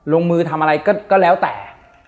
ลงมือทำอะไรก็แล้วแต่